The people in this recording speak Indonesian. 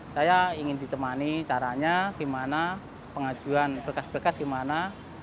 saya ingin ditemani caranya gimana pengajuan berkas berkas gimana